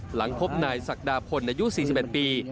หลังพบหน่ายศักดาพลอายุสี่สิบเอ็ดปี